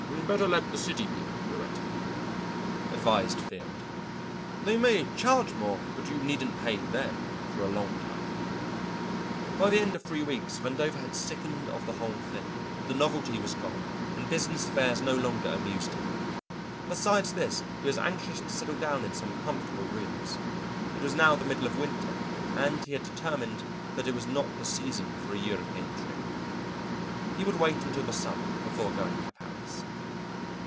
"Better let the city people do it," advised Field. "They may charge more, but you needn't pay them for a long time." By the end of three weeks Vandover had sickened of the whole thing. The novelty was gone, and business affairs no longer amused him. Besides this, he was anxious to settle down in some comfortable rooms. It was now the middle of winter and he had determined that it was not the season for a European trip. He would wait until the summer before going to Paris.